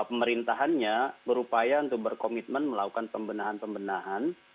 pemerintahannya berupaya untuk berkomitmen melakukan pembenahan pembenahan